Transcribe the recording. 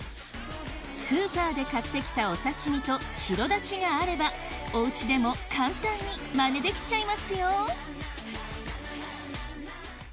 スーパーで買ってきたお刺し身と白出汁があればおうちでも簡単にマネできちゃいますよ